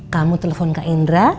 kamu telepon kak indra